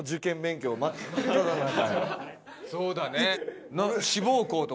そうだね。